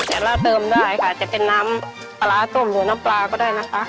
อัล่าเติมได้จะเป็นน้ำปลาจะเป็นน้ำปลาก็ได้